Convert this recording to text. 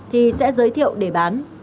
thì sẽ giới thiệu để bán